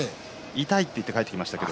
痛いと言って帰ってきました。